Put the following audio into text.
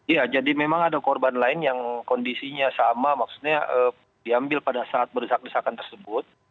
ya jadi memang ada korban lain yang kondisinya sama maksudnya diambil pada saat berdesak desakan tersebut